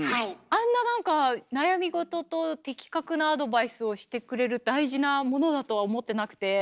あんな何か悩みごとと的確なアドバイスをしてくれる大事なものだとは思ってなくて。